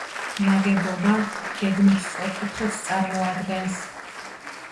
ნაგებობა გეგმით სწორკუთხედს წარმოადგენს.